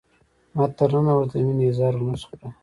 ما تر ننه ورته د مینې اظهار ونشو کړای.